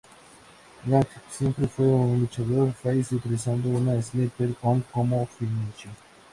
Gagne siempre fue un luchador Face y utilizaba una Sleeper Hold como finisher.